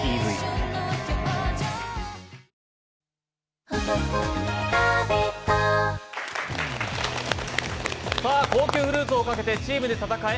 わかるぞ高級フルーツをかけてチームで戦え！